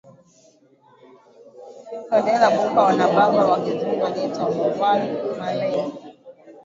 Cedella Booker na baba wa Kizungu aliyeitwa Norvall Marley